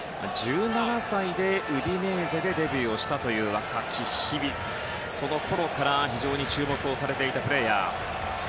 １７歳でウディネーゼでデビューしたという若き日々、そのころから非常に注目されていたプレーヤー。